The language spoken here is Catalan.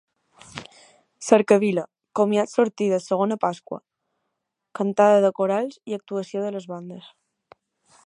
Cercavila, comiat sortida segona Pasqua; Cantada de Corals i actuació de les bandes.